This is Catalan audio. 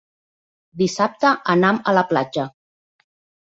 Dissabte anam a la platja.